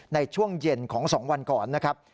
ในช่วงเย็นของ๒วันก่อนนะครับ